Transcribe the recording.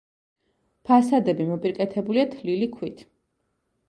ფასადები მოპირკეთებულია თლილი ქვით.